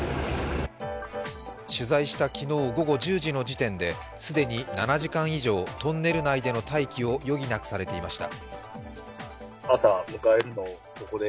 取材した昨日午後１０時の時点で既に７時間以上、トンネル内での待機を余儀なくされていました。